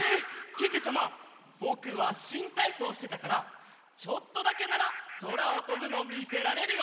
けけちゃまぼくはしんたいそうをしてたからちょっとだけならそらをとぶのみせられるよ！